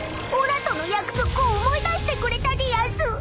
［おらとの約束を思い出してくれたでやんす］